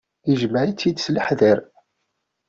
Ijmeɛ-it-id s leḥder.